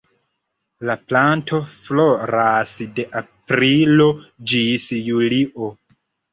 La planto floras de aprilo ĝis julio.